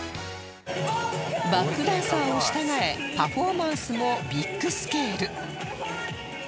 バックダンサーを従えパフォーマンスもビッグスケール